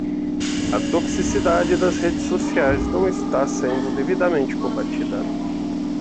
A toxicidade das redes sociais não está sendo devidamente combatida